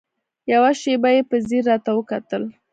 يوه شېبه يې په ځير راته وکتل.